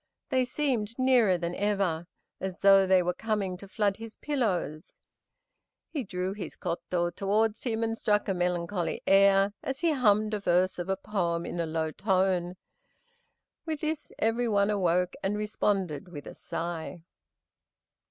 They seemed nearer than ever, as though they were coming to flood his pillows. He drew his koto towards him and struck a melancholy air, as he hummed a verse of a poem in a low tone. With this every one awoke and responded with a sigh.